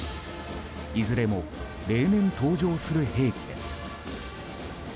いずれも例年登場する兵器です。